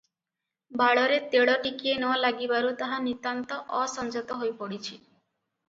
ବାଳରେ ତେଳ ଟିକିଏ ନ ଲାଗିବାରୁ ତାହା ନିତାନ୍ତ ଅସଂଯତ ହୋଇ ପଡ଼ିଚି ।